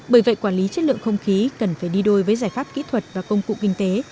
bởi vậy quản lý chất lượng không khí cần phải đi đôi với giải pháp kỹ thuật và công cụ kinh tế